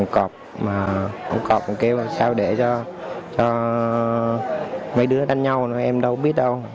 còn cọp kêu làm sao để cho mấy đứa đánh nhau em đâu biết đâu